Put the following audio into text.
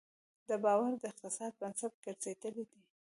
دا باور د اقتصاد بنسټ ګرځېدلی دی.